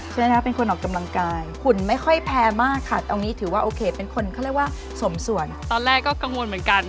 ตอนแรกก็กังวลเหมือนกัน